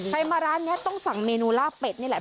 ใครมาร้านนี้ต้องสั่งเมนูลาบเป็ดนี่แหละ